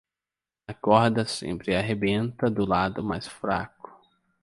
A corda sempre arrebenta do lado mais fraco